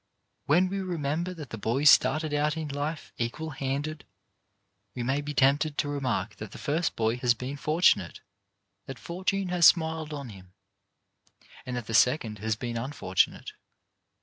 When we remember that the boys started out in life equal handed, we may be tempted to remark that the first boy has been fortunate, that fortune has smiled on him; and that the second has been unfortunate.